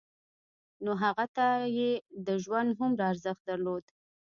نو هغه ته يې د ژوند هومره ارزښت درلود.